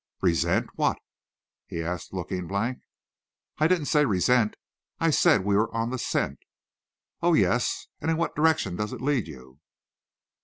"Resent what?" he asked, looking blank. "I didn't say `resent.' I said, we are on the scent." "Oh, yes. And in what direction does it lead you?"